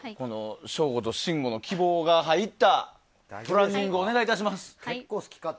省吾と信五の希望が入ったプランニングをお願い致します。